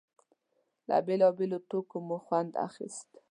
له بېلابېلو ټوکو مو خوند اخيست.